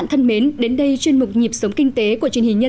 hãy đăng ký kênh để ủng hộ kênh của chúng mình nhé